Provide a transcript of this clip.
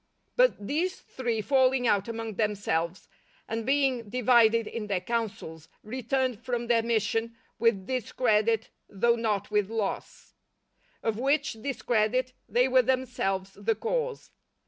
But these three falling out among themselves, and being divided in their counsels, returned from their mission with discredit though not with loss. Of which discredit they were themselves the cause.